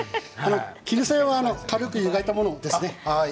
絹さやは軽く湯がいたものです。